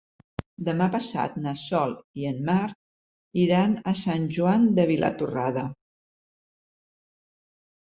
Demà passat na Sol i en Marc iran a Sant Joan de Vilatorrada.